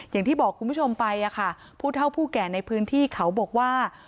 อย่างที่บอกคุณผู้ชมไปค่ะผู้เท่าผู้แก่ในพื้นที่เขาบอกว่า